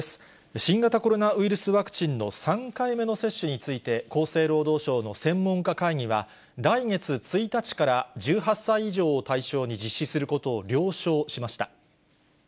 新型コロナウイルスワクチンの３回目の接種について、厚生労働省の専門家会議は、来月１日から、１８歳以上を対象に実施することを了承しました。